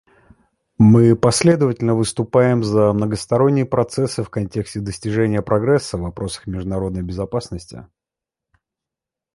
Мы последовательно выступаем за многосторонние процессы в контексте достижения прогресса в вопросах международной безопасности.